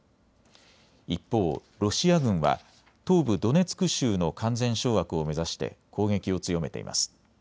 一方、ロシア軍は東部ドネツク州の完全掌握を目指して攻撃を強めています。